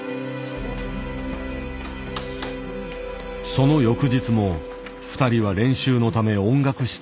その翌日も２人は練習のため音楽室へ。